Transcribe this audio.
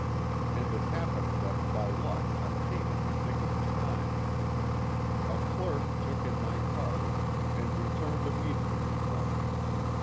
And it happened that by luck I came in the nick of time. A clerk took in my card, and returned immediately for me.